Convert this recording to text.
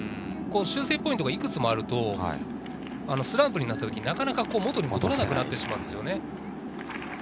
修正ポイントがいくつもあると、スランプになった時になかなか元に戻せなくなってしまうんですよね。